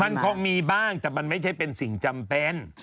มันคงมีบ้างแต่มันไม่ใช่เป็นสิ่งจำเป็น